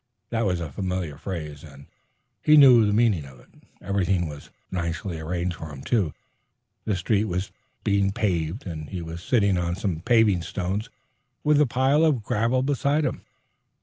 That was a familiar phrase, and he knew the meaning of it. Everything was nicely arranged for him, too. The street was being paved, and he was sitting on some paving stones, with a pile of gravel beside him.